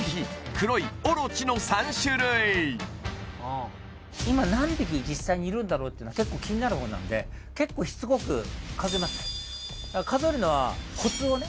黒いオロチの３種類今何匹実際にいるんだろうってのは結構気になる方なんで結構しつこく数えます数えるのはコツをね